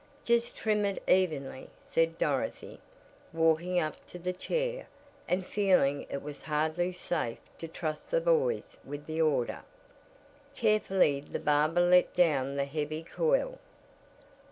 "Just trim it evenly," said Dorothy, walking up to the chair, and feeling it was hardly safe to trust the boys with the order. Carefully the barber let down the heavy coil.